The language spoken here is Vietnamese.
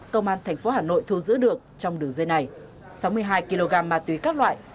công an tp hà nội thu giữ được trong đường dây này sáu mươi hai kg ma túy các loại